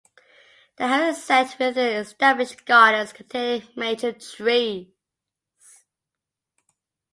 The house is set within established gardens containing mature trees.